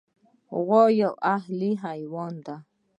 غوا یو اهلي حیوان دی.